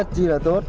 rất chi là tốt